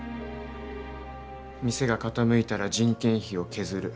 店が傾いたら人件費を削る。